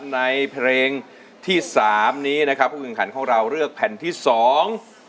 ในเพลงที่สามนี้นะครับผู้แข่งขันของเราเลือกแผ่นที่สอง